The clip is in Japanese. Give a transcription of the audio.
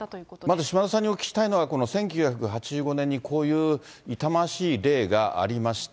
まず、島田さんにお聞きしたいのは、この１９８５年に、こういう痛ましい例がありました。